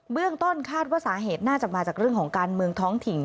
เรื่องต้นคาดว่าสาเหตุน่าจะมาจากเรื่องของการเมืองท้องถิ่น